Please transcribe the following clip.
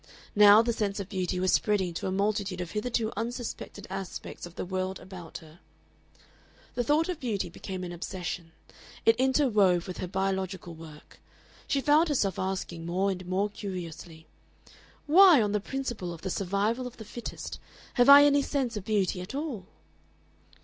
Now the sense of beauty was spreading to a multitude of hitherto unsuspected aspects of the world about her. The thought of beauty became an obsession. It interwove with her biological work. She found herself asking more and more curiously, "Why, on the principle of the survival of the fittest, have I any sense of beauty at all?"